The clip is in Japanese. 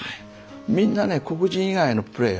みんなね黒人以外のプレーヤーはね